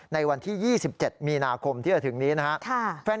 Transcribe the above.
ในวันที่๒๗มีนาคมที่จะถึงนี้นะครับ